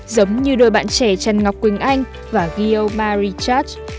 giống như đôi bạn trẻ trần ngọc quỳnh anh và ghiêu ma richard